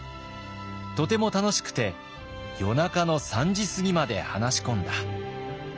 とても楽しくて夜中の３時過ぎまで話し込んだ」。